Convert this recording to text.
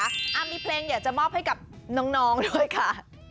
อ่ามีเพลงอยากจะมอบให้กับน้องด้วยค่ะ